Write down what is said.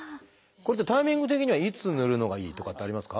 これってタイミング的にはいつぬるのがいいとかってありますか？